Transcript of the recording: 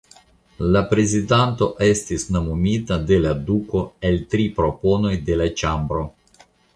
La prezidanto estis nomumita de la duko el tri proponoj de le ĉambro.